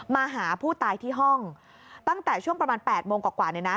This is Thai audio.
มาหาผู้ตายที่ห้องตั้งแต่ช่วงประมาณ๘โมงกว่าเนี่ยนะ